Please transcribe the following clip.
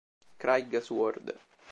Craig Sword